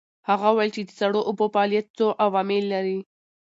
هغه وویل چې د سړو اوبو فعالیت څو عوامل لري.